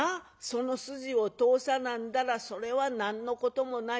その筋を通さなんだらそれは何のこともない